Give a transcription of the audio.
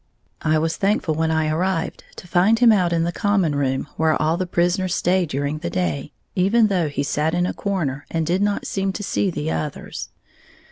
I was thankful when I arrived to find him out in the common room, where all the prisoners stay during the day, even though he sat in a corner and did not seem to see the others.